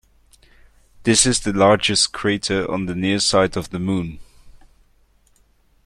This is the largest crater on the near side of the Moon.